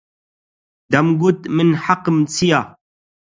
دەمگوت: من حەقم چییە؟